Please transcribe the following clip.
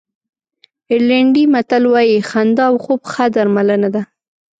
آیرلېنډي متل وایي خندا او خوب ښه درملنه ده.